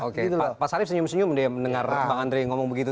oke pak sarif senyum senyum dia mendengar bang andre ngomong begitu